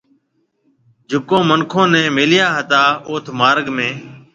جڪون مِنکون نَي ميليا هتا اوٿ مارگ ۾